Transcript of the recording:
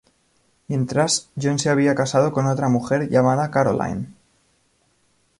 Mientras, John se había casado con otra mujer llamada Caroline.